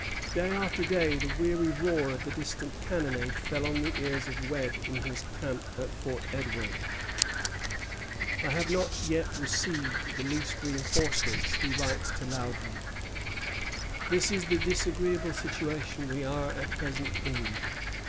Day after day the weary roar of the distant cannonade fell on the ears of Webb in his camp at Fort Edward. "I have not yet received the least reinforcement," he writes to Loudon; "this is the disagreeable situation we are at present in.